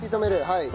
はい。